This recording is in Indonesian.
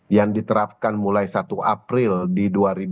yang diterapkan mulai satu april di dua ribu dua puluh